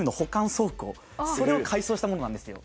倉庫それを改装したものなんですよ。